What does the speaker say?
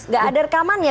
nggak ada rekamannya